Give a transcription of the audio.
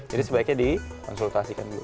jadi sebaiknya dikonsultasikan dulu